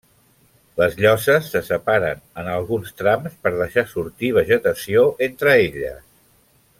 Les lloses se separen en alguns trams per deixar sortir vegetació entre elles.